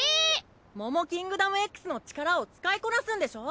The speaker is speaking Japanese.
モモキングダムＸの力を使いこなすんでしょ？